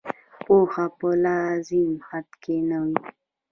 پوهه په لازم حد کې نه وي.